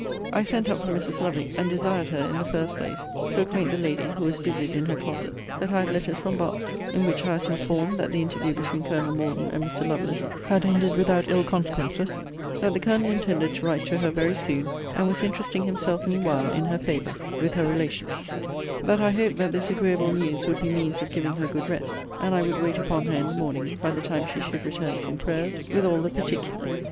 I sent up for Mrs. Lovick, and desired her, in the first place, to acquaint the lady (who was busied in her closet,) that I had letters from Berks: in which I was informed, that the interview between Colonel Morden and Mr. Lovelace had ended without ill consequences; that the Colonel intended to write to her very soon, and was interesting himself mean while, in her favour, with her relations; that I hoped that this agreeable news would be means of giving her good rest; and I would wait upon her in the morning, by the time she should return from prayers, with all the particulars.